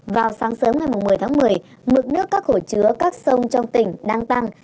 vào sáng sớm ngày một mươi tháng một mươi mực nước các hồ chứa các sông trong tỉnh đang tăng